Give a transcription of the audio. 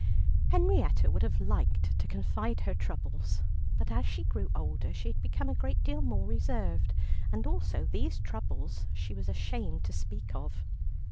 Henrietta would have liked to confide her troubles, but as she grew older she had become a great deal more reserved, and also these troubles she was ashamed to speak of.